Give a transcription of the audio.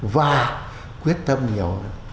và quyết tâm nhiều hơn